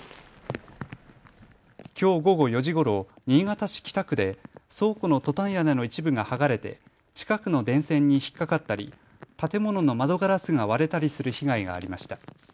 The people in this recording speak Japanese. きょう午後４時ごろ新潟市北区で倉庫のトタン屋根の一部が剥がれて近くの電線に引っかかったり建物の窓ガラスが割れたりする被害がありました。